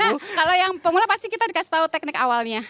karena kalau yang pemula pasti kita dikasih tahu teknik awalnya